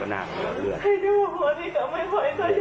ให้ดูว่าหัวนี้ก็ไม่ไหวตัวยาย